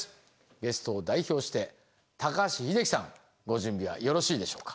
ゲストを代表して高橋英樹さんご準備はよろしいでしょうか。